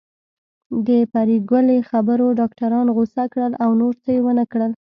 د پري ګلې خبرو ډاکټران غوسه کړل او نور څه يې ونکړل